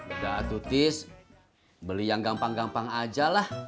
udah atutis beli yang gampang gampang aja lah